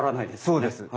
そうです。